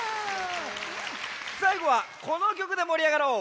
さいごはこのきょくでもりあがろう。